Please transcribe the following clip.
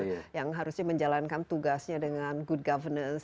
yang harusnya menjalankan tugasnya dengan good governance